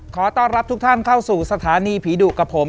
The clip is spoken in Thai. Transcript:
ขอต้อนรับทุกท่านเข้าสู่สถานีผีดุกับผม